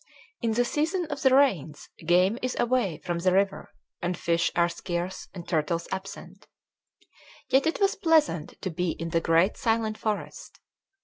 In the season of the rains game is away from the river and fish are scarce and turtles absent. Yet it was pleasant to be in the great silent forest.